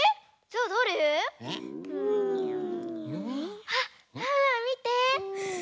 うん？あっワンワンみて！